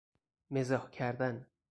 مزاح کردن